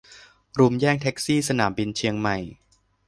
รุมแย่งแท็กซี่ สนามบินเชียงใหม่